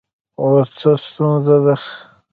اوس څه ستونزه ده